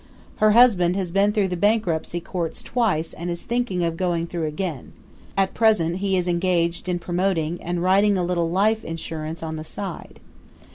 Her husband has been through the bankruptcy courts twice and is thinking of going through again. At present he is engaged in promoting and writing a little life insurance on the side.